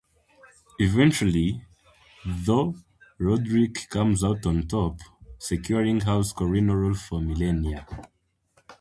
Eventually, though, Roderick comes out on top, securing House Corrino rule for millennia.